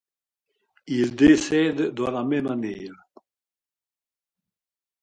Il décède dans la même année.